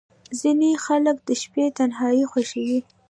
• ځینې خلک د شپې تنهايي خوښوي.